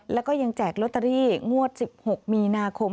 แล้วก็ยังแจกโรตารีงวด๑๖มีนาคม